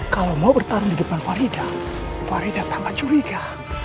kalau mau bertarung di depan farida farida tampak curiga